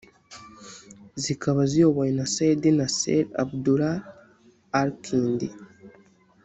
zikaba ziyobowe na Said Nasser Abdullah Al Kindi